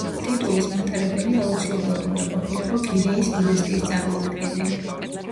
ტიტულის მატარებელი აუცილებლად უნდა ყოფილიყო გირეის დინასტიის წარმომადგენელი.